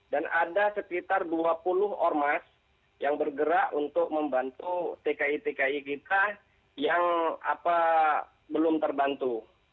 dan ada sekitar dua puluh ormas yang bergerak untuk membantu tki tki kita yang belum terbantu